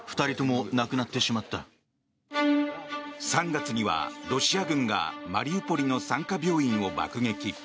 ３月にはロシア軍がマリウポリの産科病院を爆撃。